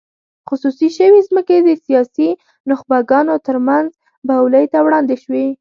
خصوصي شوې ځمکې د سیاسي نخبګانو ترمنځ بولۍ ته وړاندې شوې.